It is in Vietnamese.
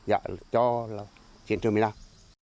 giải cho chiến trường miền nam